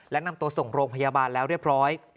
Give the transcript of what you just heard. และนำตัวส่งโรงพยาบาลแล้วเรียบร้อย